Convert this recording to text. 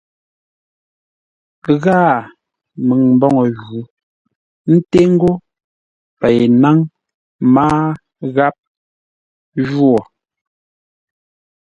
Ghâa, məŋ mboŋə jǔ ńté ńgó pei náŋ mâa gháp jwô.